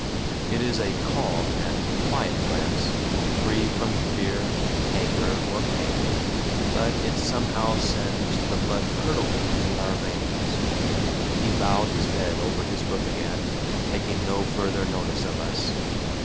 It is a calm and quiet glance, free from fear, anger, or pain; but it somehow sends the blood curdling through our veins. He bowed his head over his book again, taking no further notice of us.